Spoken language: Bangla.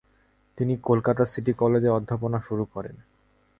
তিনি কলকাতা সিটি কলেজে অধ্যাপনা শুরু করেন।